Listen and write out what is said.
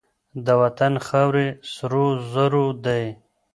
د وطن خاورې سرو زرو دي.